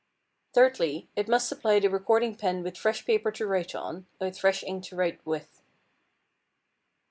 Thirdly, it must supply the recording pen with fresh paper to write on, and with fresh ink to write with.